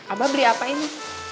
abah beli apa ini